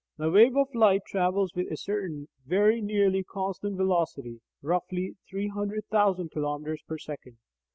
The wave of light travels with a certain very nearly constant velocity, roughly 300,000 kilometres per second.